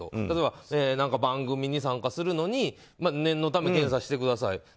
例えば、番組に参加するのに念のため検査してください。